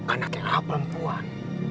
anaknya a perempuan